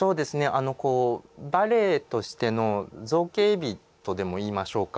あのこうバレエとしての造形美とでも言いましょうか。